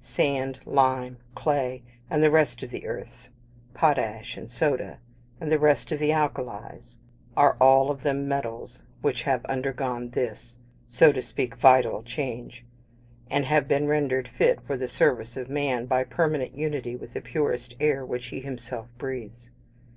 Sand, lime, clay, and the rest of the earths potash and soda, and the rest of the alkalies are all of them metals which have undergone this, so to speak, vital change, and have been rendered fit for the service of man by permanent unity with the purest air which he himself breathes.